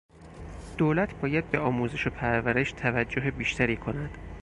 دولت باید به آموزش و پرورش توجه بیشتری بکند.